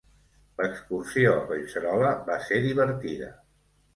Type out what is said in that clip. L'Excursió a Collserola va ser divertida.